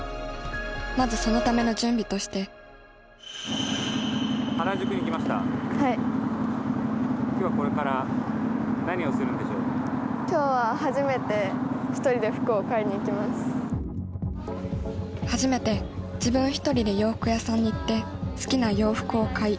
まずそのための準備として初めて自分一人で洋服屋さんに行って好きな洋服を買い